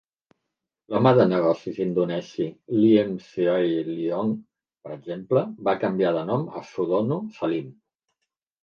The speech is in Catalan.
L'home de negocis indonesi Liem Sioe Liong, per exemple, va canviar de nom a Sudono Salim.